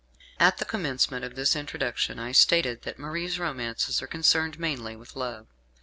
At the commencement of this Introduction I stated that Marie's romances are concerned mainly with love.